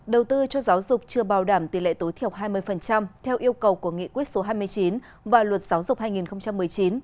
đầu tư cho giáo dục chưa bảo đảm tỷ lệ tối thiểu hai mươi theo yêu cầu của nghị quyết số hai mươi chín và luật giáo dục hai nghìn một mươi chín